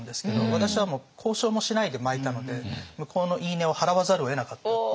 私はもう交渉もしないで巻いたので向こうの言い値を払わざるをえなかったっていう。